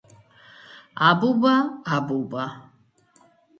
აბუბა აბუბა